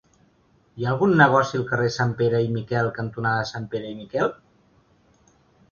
Hi ha algun negoci al carrer Sanpere i Miquel cantonada Sanpere i Miquel?